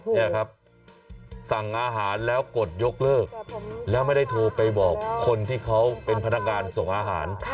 นี่ครับสั่งอาหารแล้วกดยกเลิกแล้วไม่ได้โทรไปบอกคนที่เขาเป็นพนักงานส่งอาหาร